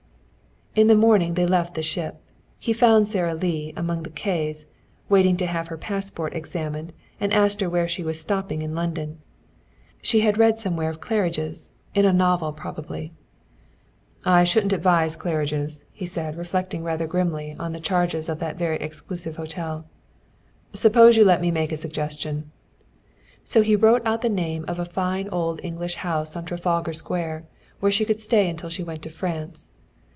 In the morning they left the ship. He found Sara Lee among the K's, waiting to have her passport examined, and asked her where she was stopping in London. She had read somewhere of Claridge's in a novel probably. "I shouldn't advise Claridge's," he said, reflecting rather grimly on the charges of that very exclusive hotel. "Suppose you let me make a suggestion." So he wrote out the name of a fine old English house on Trafalgar Square, where she could stay until she went to France.